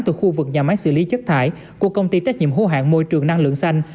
từ khu vực nhà máy xử lý chất thải của công ty trách nhiệm hô hạn môi trường năng lượng xanh